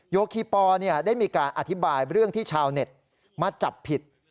โยคีปอลได้มีการอธิบายเรื่องที่ชาวเน็ตมาจับผิด